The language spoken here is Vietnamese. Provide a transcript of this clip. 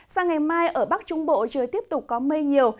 sang ngày mai ở bắc trung bộ trời tiếp tục có mây nhiều